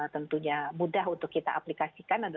tentunya mudah untuk kita aplikasikan